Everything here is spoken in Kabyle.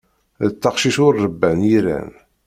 D taqcict ur ṛebban yiran.